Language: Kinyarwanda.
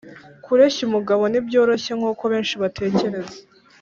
kureshya umugabo ntibyoroshye nk'uko benshi batekereza.